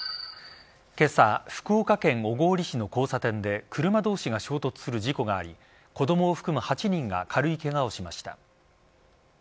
今朝、福岡県小郡市の交差点で車同士が衝突する事故があり子供を含む８人が軽いケガをしました。